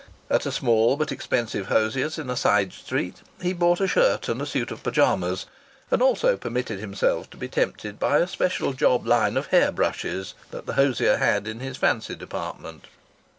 At a small but expensive hosier's in a side street he bought a shirt and a suit of pyjamas, and also permitted himself to be tempted by a special job line of hair brushes that the hosier had in his fancy department.